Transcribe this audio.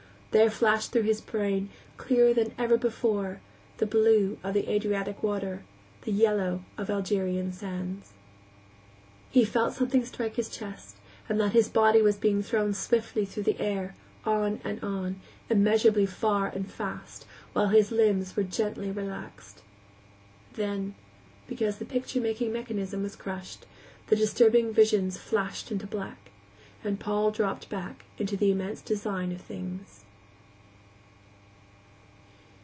There flashed through his brain, clearer than ever before, the blue of Adriatic water, the yellow of Algerian sands. He felt something strike his chest, and that his body was being thrown swiftly through the air, on and on, immeasurably far and fast, while his limbs were gently relaxed. Then, because the picture making mechanism was crushed, the disturbing visions flashed into black, and Paul dropped back into the immense design of things.